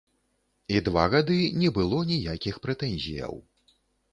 І два гады не было ніякіх прэтэнзіяў.